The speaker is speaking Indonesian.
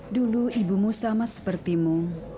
dulu ibumu sama sepertimu